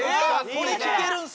これ聞けるんですか？